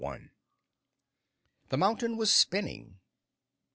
The mountain was spinning.